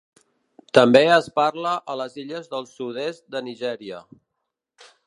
També es parla a les illes del sud-est de Nigèria.